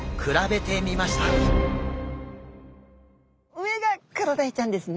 上がクロダイちゃんですね。